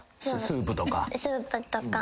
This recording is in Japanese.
スープとか。